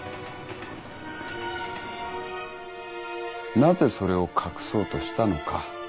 なぜそれを隠そうとしたのか。